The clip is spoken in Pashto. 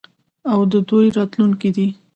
او د دوی راتلونکی دی.